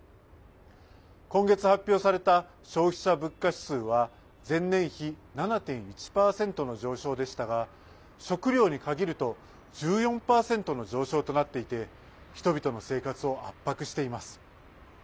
今月発表された消費者物価指数は前年比７．１％の上昇でしたが食料に限ると１４％の上昇となっていて人々の生活を圧迫しています。